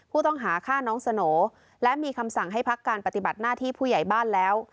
ผู้ต้องหาฆ่าน้องสโหน่และมีคำสั่งให้พักการปฏิบัติหน้าที่ผู้ใหญ่บ้านแล้ว